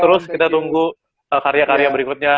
terus kita tunggu karya karya berikutnya